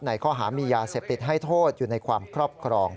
ในข้อหามียาเสพติดให้โทษอยู่ในความครอบครอง